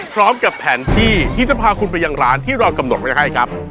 พร้อมกับแผนที่ที่จะพาคุณไปยังร้านที่เรากำหนดไว้ให้ครับ